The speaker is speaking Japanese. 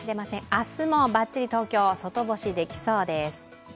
明日もばっちり、東京、外干しできそうです。